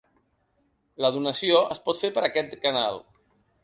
La donació es pot fer per aquest canal.